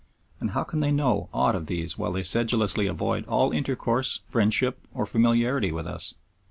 And how can they know aught of these while they sedulously avoid all intercourse, friendship, or familiarity with us?